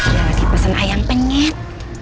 dia lagi pesen ayam penyet